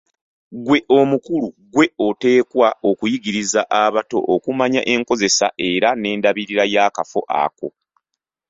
Ggwe omukulu ggwe oteekwa okuyigiriza abato okumanya enkozesa era n'endabirira y'akafo ako.